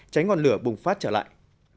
cháy ngọn lửa bùng phát trở lại